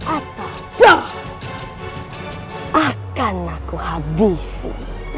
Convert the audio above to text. atau ya akan aku habisi